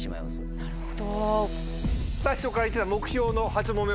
なるほど。